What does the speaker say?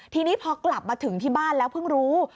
ทีนี้พอกลับมาถึงที่บ้านแล้วเพิ่งรู้